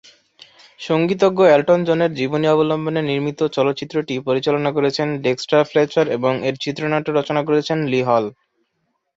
সঙ্গীতজ্ঞ Elton জনের জীবনী অবলম্বনে নির্মিত চলচ্চিত্রটি পরিচালনা করেছেন ডেক্সটার ফ্লেচার এবং এর চিত্রনাট্য রচনা করেছেন লি হল।